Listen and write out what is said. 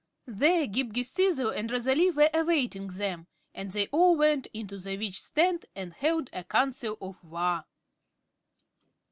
There Ghip Ghisizzle and Rosalie were awaiting them and they all went into the Witch's tent and held a council of war.